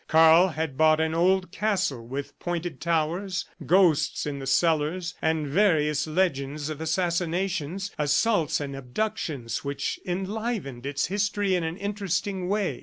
Karl had bought an old castle with pointed towers, ghosts in the cellars, and various legends of assassinations, assaults and abductions which enlivened its history in an interesting way.